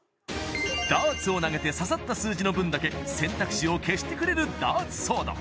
ダーツを投げて刺さった数字の分だけ選択肢を消してくれるダーツソード